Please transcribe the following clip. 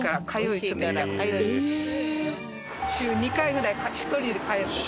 週２回ぐらい１人で通ってる。